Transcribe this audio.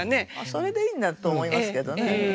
それでいいんだと思いますけどね。